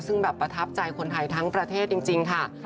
ซึ่งแบบประทับใจคนไทยทั้งประเทศจริงค่ะ